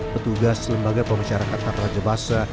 petugas lembaga pemasyarakat kataraja basa